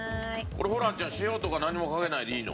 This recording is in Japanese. これホランちゃん塩とかなんにもかけないでいいの？